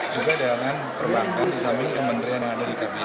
juga dengan perbankan di samping kementerian yang ada di kbri